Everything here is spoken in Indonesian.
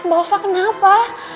mbak alva kenapa